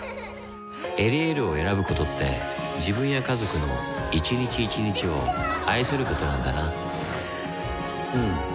「エリエール」を選ぶことって自分や家族の一日一日を愛することなんだなうん。